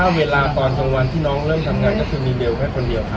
เวลาตอนกลางวันที่น้องเริ่มทำงานก็คือมีเบลแค่คนเดียวครับ